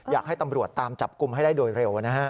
อยากให้ตำรวจตามจับกลุ่มให้ได้โดยเร็วนะฮะ